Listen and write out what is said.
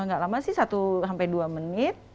nggak lama sih satu sampai dua menit